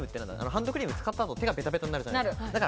ハンドクリーム使ったあと、手がべたべたになるじゃないですか。